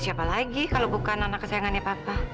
siapa lagi kalau bukan anak kesayangannya papa